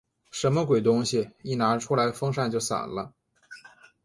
什么鬼东西？一拿出来风扇就散了。